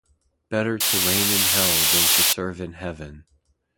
Better to reign in hell than serve in heaven.